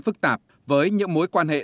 phức tạp với những mối quan hệ